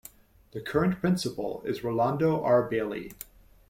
The current principal is Rolando R. Bailey.